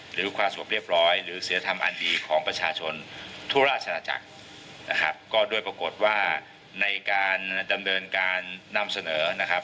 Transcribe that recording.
หรือความสงบเรียบร้อยหรือศิลธรรมอันดีของประชาชนทั่วราชนาจักรนะครับก็ด้วยปรากฏว่าในการดำเนินการนำเสนอนะครับ